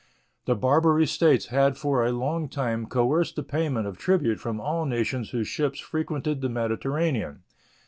The Barbary States had for a long time coerced the payment of tribute from all nations whose ships frequented the Mediterranean.